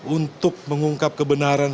untuk mengungkap kebenaran